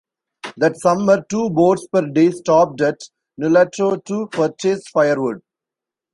That summer, two boats per day stopped at Nulato to purchase firewood.